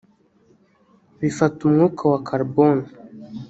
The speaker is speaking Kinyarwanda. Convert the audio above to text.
bifata umwuka wa carbone